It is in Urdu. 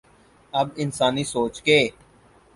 اب انسانی سوچ کے